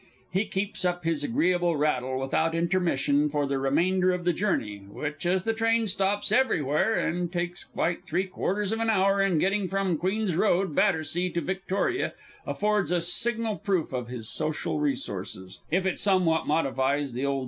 [_He keeps up this agreeable rattle, without intermission, for the remainder of the journey, which as the train stops everywhere, and takes quite three quarters of an hour in getting from Queen's Road, Battersea, to Victoria affords a signal proof of his social resources, if it somewhat modifies the_ O. G.'